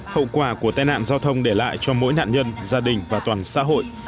hậu quả của tai nạn giao thông để lại cho mỗi nạn nhân gia đình và toàn xã hội